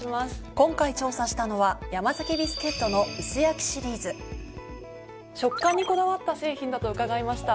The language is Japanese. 今回調査したのはヤマザキビスケットの薄焼きシリーズ食感にこだわった製品だと伺いました。